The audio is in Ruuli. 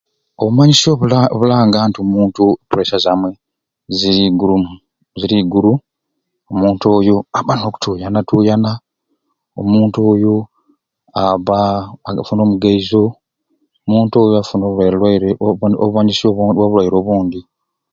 Obumanyisyo obula obulanga nti omuntu e puresya zamwei ziri igurumu ziri iguru omuntu oyo abba nokutuyana tuyana, omuntu oyo abba afuna omugaizo, omuntu oyo afuna obulwaire lwaire obumanyisyo bwa bulwaire obundi.